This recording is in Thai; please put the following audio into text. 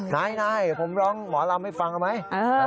นายผมร้องหมอลำให้ฟังเอาไหม